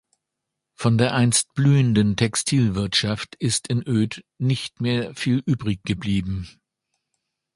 Von der einst blühenden Textilwirtschaft ist in Oedt nicht mehr viel übrig geblieben.